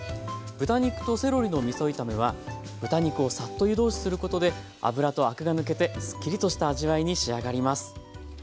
豚肉とセロリのみそ炒めは豚肉をサッと湯通しすることで脂とアクが抜けてスッキリとした味わいに仕上がります。